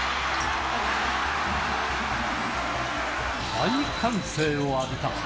大歓声を浴びた。